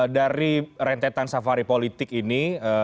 dari rentetan safari politik ini